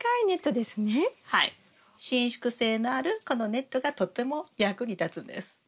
伸縮性のあるこのネットがとても役に立つんです。